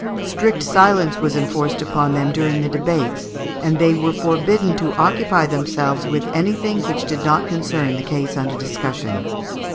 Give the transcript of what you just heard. Strict silence was enforced upon them during the debates; and they were forbidden to occupy themselves with anything which did not concern the case under discussion.